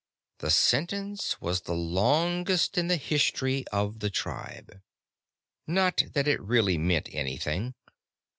The sentence was the longest in the history of the tribe. Not that it really meant anything.